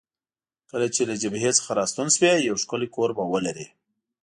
کله چې له جبهې څخه راستون شوې، یو ښکلی کور به ولرې.